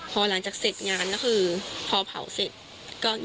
๗วันเนื้อครบอาทิตย์๑